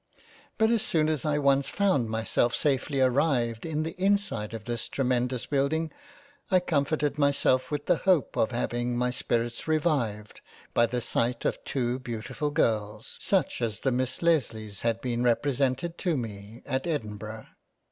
But as soon as I once found myself safely arrived in the inside of this tremendous building, I comforted myself with the hope of having my spirits revived, by the sight of two beautifull girls, such as the Miss Lesleys had been represented to me, at Edin burgh.